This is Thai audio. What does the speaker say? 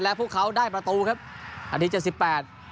และพวกเขาได้ประตูครับนาทีเจ็ดสิบแปด